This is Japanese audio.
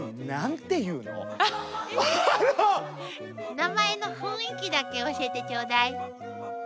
名前の雰囲気だけ教えてちょうだい。